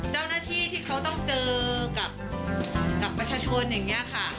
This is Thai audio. เจ้าหน้าที่ที่เขาต้องเจอกับประชาชนอย่างนี้ค่ะ